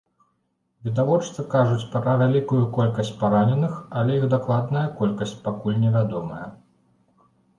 Відавочцы кажуць пра вялікую колькасць параненых, але іх дакладная колькасць пакуль невядомая.